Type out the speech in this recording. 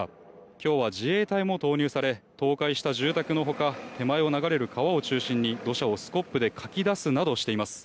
今日は自衛隊も投入され倒壊した住宅のほか手前を流れる川を中心に土砂をスコップでかき出すなどしています。